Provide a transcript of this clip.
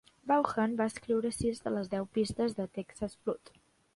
Vaughan va escriure sis de les deu pistes a "Texas Flood".